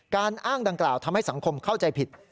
อ้างดังกล่าวทำให้สังคมเข้าใจผิด